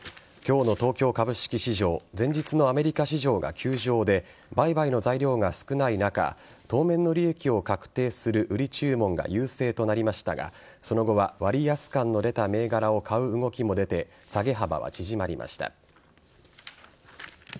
今日の東京株式市場前日のアメリカ市場が休場で売買の材料が少ない中当面の利益を確定する売り注文が優勢となりましたがその後は割安感の出た銘柄を買う動きも出て下げ幅は縮まりました。